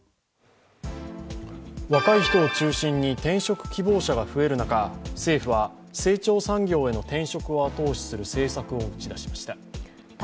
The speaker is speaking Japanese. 若い人を中心に転職希望者が増える中、政府は成長産業への転職を後押しする政策を打ち出しました。